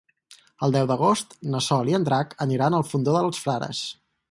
El deu d'agost na Sol i en Drac aniran al Fondó dels Frares.